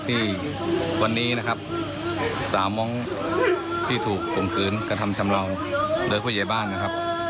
ที่วันนี้สาวมองที่ถูกกงคืนกระทำชำลองเดินผู้เยบบ้าง